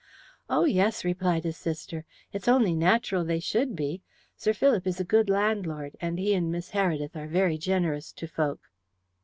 "Oh, yes," replied his sister. "It's only nat'ral they should be. Sir Philip is a good landlord, and he and Miss Heredith are very generous to folk."